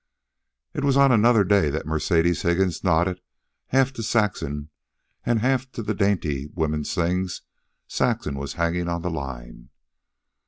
It was on another day that Mercedes Higgins nodded, half to Saxon, and half to the dainty women's things Saxon was hanging on the line.